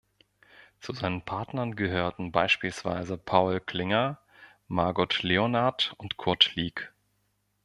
Zu seinen Partnern gehörten beispielsweise Paul Klinger, Margot Leonard und Kurt Lieck.